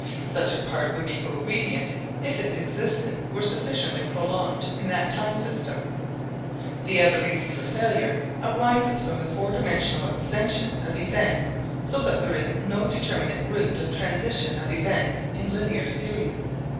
Such a part would be cogredient if its existence were sufficiently prolonged in that time system. The other reason for failure arises from the four dimensional extension of events so that there is no determinate route of transition of events in linear series.